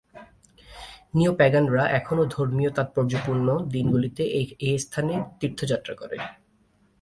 নিওপাগানরা এখনও ধর্মীয় তাৎপর্যপূর্ণ দিনগুলিতে এই স্থানে তীর্থযাত্রা করে।